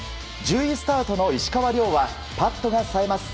１０位スタートの石川遼はパットがさえます。